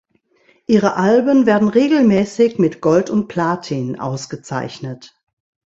Ihre Alben werden regelmäßig mit Gold und Platin ausgezeichnet.